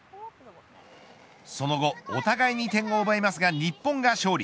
その後お互いに点を奪いますが、日本が勝利。